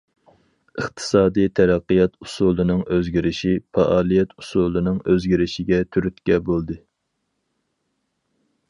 ئىقتىسادىي تەرەققىيات ئۇسۇلىنىڭ ئۆزگىرىشى پائالىيەت ئۇسۇلىنىڭ ئۆزگىرىشىگە تۈرتكە بولدى.